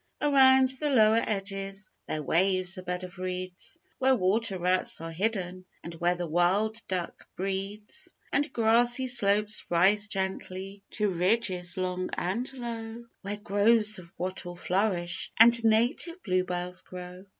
Around the lower edges There waves a bed of reeds, Where water rats are hidden And where the wild duck breeds; And grassy slopes rise gently To ridges long and low, Where groves of wattle flourish And native bluebells grow.